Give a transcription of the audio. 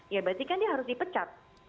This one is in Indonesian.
ya berarti kan dia harus dipecat